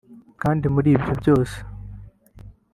Kandi muri ibyo byose